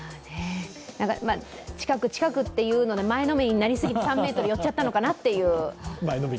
近く近くというのに前のめりになりすぎで、３ｍ寄っちゃったのかなという。